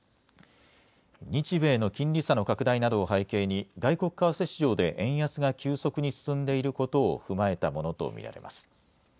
日米の金利差の拡大などを背景に外国為替市場で円安が急速に進んでいることを踏まえたものと見られます。